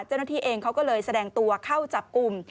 เจ้าหน้าที่เองเขาก็เลยแสดงตัวเข้าจับกลุ่ม